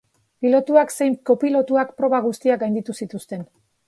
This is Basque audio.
Pilotuak zein kopilotuak proba guztiak gainditu zituzten.